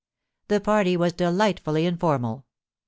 The party was delightfully informal.